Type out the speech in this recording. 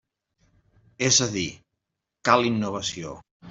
És a dir, cal innovació.